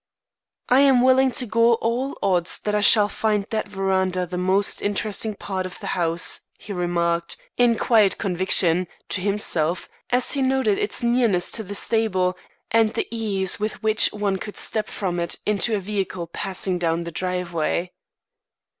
"I am willing to go all odds that I shall find that verandah the most interesting part of the house," he remarked, in quiet conviction, to himself, as he noted its nearness to the stable and the ease with which one could step from it into a vehicle passing down the driveway.